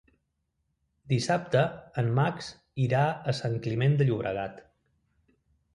Dissabte en Max irà a Sant Climent de Llobregat.